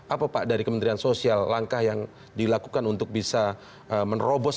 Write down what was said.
apa pak dari kementerian sosial langkah yang dilakukan untuk bisa menerobos